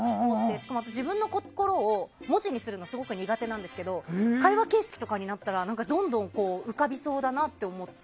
しかも私、自分の心を文字にするのがすごく苦手なんですけど会話形式にしたらどんどん浮かびそうだなって思って。